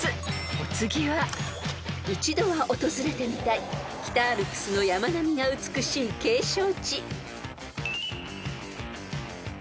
［お次は一度は訪れてみたい北アルプスの山並みが美しい景勝地］